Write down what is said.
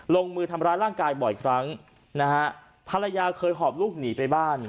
ลงมือทำร้ายร่างกายบ่อยครั้งนะฮะภรรยาเคยหอบลูกหนีไปบ้าน